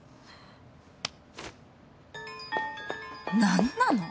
何なの？